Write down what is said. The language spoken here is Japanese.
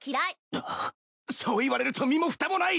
ああそう言われると身もふたもない。